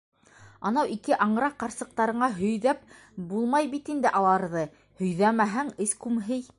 Анау ике аңра ҡарсыҡтарыңа һөйҙәп булмай бит инде аларҙы! һөйҙәмәһәң, эс күмһей.